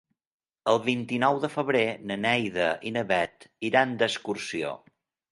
El vint-i-nou de febrer na Neida i na Bet iran d'excursió.